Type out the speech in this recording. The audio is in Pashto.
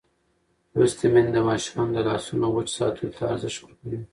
لوستې میندې د ماشومانو د لاسونو وچ ساتلو ته ارزښت ورکوي.